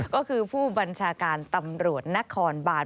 ก็คือผู้บัญชาการตำรวจนครบาน